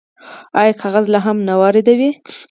آیا کاغذ لا هم نه واردوي؟